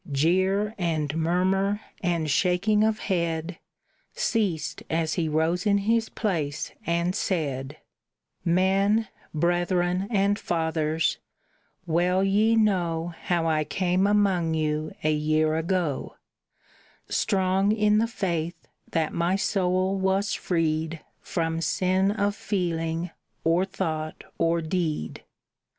Jeer and murmur and shaking of head Ceased as he rose in his place and said: "Men, brethren, and fathers, well ye know How I came among you a year ago, Strong in the faith that my soul was freed From sin of feeling, or thought, or deed.